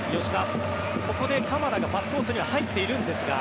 ここで鎌田がパスコースには入っているんですが。